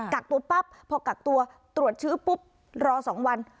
กักตัวปั๊บพอกักตัวตรวจเชื้อปุ๊บรอ๒วัน